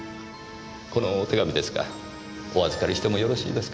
このお手紙ですがお預かりしてもよろしいですか？